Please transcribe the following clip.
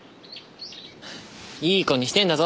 いい子にしてんだぞ。